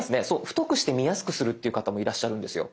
太くして見やすくするっていう方もいらっしゃるんですよ。